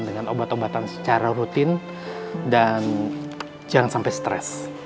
dengan obat obatan secara rutin dan jangan sampai stres